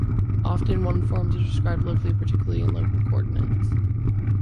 Often one-forms are described locally, particularly in local coordinates.